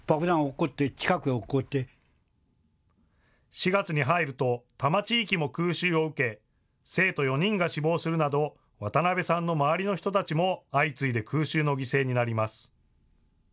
４月に入ると多摩地域も空襲を受け、生徒４人が死亡するなど渡邉さんの周りの人たちも相次いで空襲の犠牲になります。